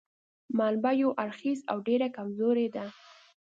منبع یو اړخیزه او ډېره کمزورې ده.